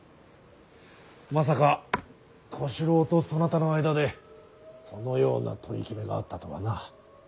まさか小四郎とそなたの間でそのような取り決めがあったとはな。